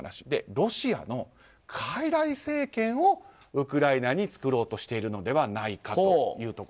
で、ロシアの傀儡政権をウクライナに作ろうとしているのではないかと。